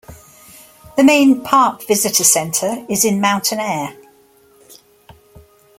The main park visitor center is in Mountainair.